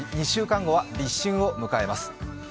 ２週間後は立春を迎えます。